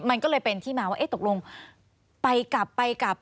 มันก็เลยเป็นที่มาว่าเอ๊ะตกลงไปกลับไปกลับ